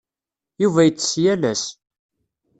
Yuba yettess yal ass.